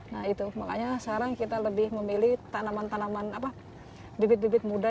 nah itu makanya sekarang kita lebih memilih tanaman tanaman bibit bibit muda